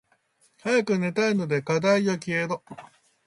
早く寝たいので課題よ消えろ。